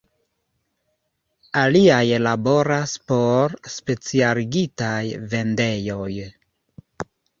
Aliaj laboras por specialigitaj vendejoj.